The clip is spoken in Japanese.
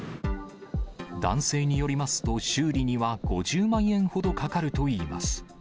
男性によりますと、修理には５０万円ほどかかるといいます。